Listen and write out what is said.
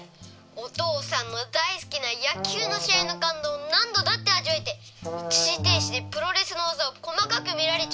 お父さんの大好きな野球の試合の感動を何度だって味わえて一時停止でプロレスの技を細かく見られちゃう。